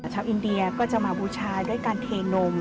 ชาวอินเดียก็จะมาบูชาด้วยการเทนม